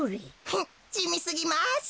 フッじみすぎます。